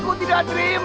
aku tidak dream